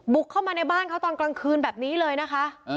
เข้ามาในบ้านเขาตอนกลางคืนแบบนี้เลยนะคะ